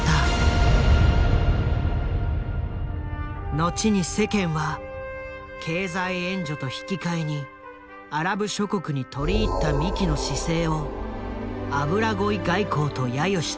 後に世間は経済援助と引き換えにアラブ諸国に取り入った三木の姿勢をと揶揄した。